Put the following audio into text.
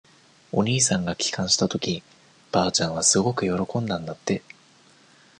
お兄さんが帰還したとき、ばあちゃんはすごく喜んだんだって。